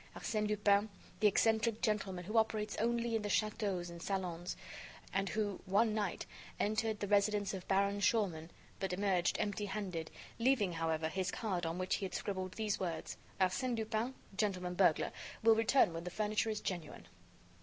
Arsène Lupin, the eccentric gentleman who operates only in the châteaux and salons, and who, one night, entered the residence of Baron Schormann, but emerged empty handed, leaving, however, his card on which he had scribbled these words: "Arsène Lupin, gentleman burglar, will return when the furniture is genuine."